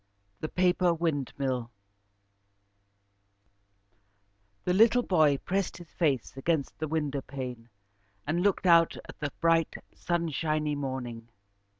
The Paper Windmill The little boy pressed his face against the window pane and looked out at the bright sunshiny morning.